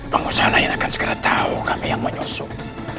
pengusaha lain akan segera tahu kami yang menyusup